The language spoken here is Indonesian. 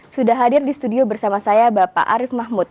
sudah hadir di studio bersama saya bapak arief mahmud